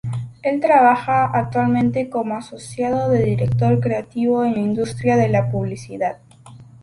Él trabaja actualmente como asociado de director creativo en la industria de la publicidad.